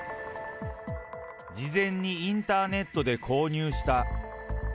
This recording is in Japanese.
事前にインターネットで購入した。